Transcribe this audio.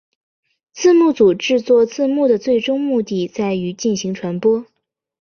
字幕组制作字幕的最终目的在于进行传播。